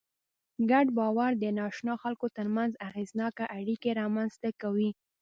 ګډ باور د ناآشنا خلکو تر منځ اغېزناکه اړیکې رامنځ ته کوي.